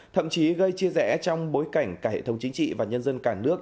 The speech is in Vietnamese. thậm chí gây chia rẽ trong bối cảnh cả hệ thống chính trị và nhân dân cả nước